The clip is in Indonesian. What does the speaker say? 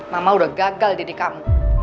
mama udah gagal didik kamu